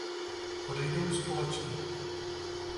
Odejdou společně.